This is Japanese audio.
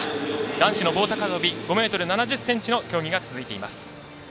男子の棒高跳び５ｍ７０ｃｍの競技が続いています。